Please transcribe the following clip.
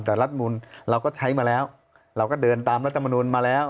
แต่รัฐมนุนเราก็ใช้มาแล้วเราก็เดินตามรัฐมนุนมาแล้ว